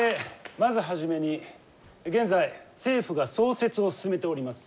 まず初めに現在政府が創設を進めております